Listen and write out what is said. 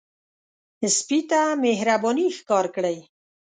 سپي ته مهرباني ښکار کړئ.